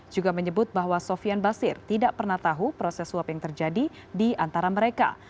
juga menyebut bahwa sofian basir tidak pernah tahu proses suap yang terjadi di antara mereka